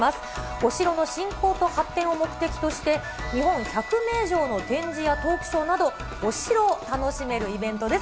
お城の振興と発展を目的として、日本１００名城の展示やトークショーなど、お城を楽しめるイベントです。